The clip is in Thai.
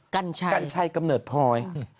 กัญชัยกำเนิดพลอย